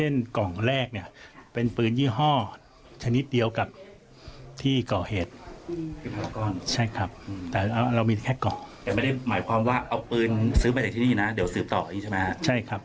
นี่มีเกินละ๑๕ปีเป็นคนจังหวัดภูเก็ต